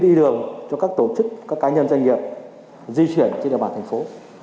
đi đường cho các tổ chức các cá nhân doanh nghiệp di chuyển trên địa bàn thành phố